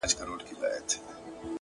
يوازې سوی يم يادونه د هغې نه راځي”“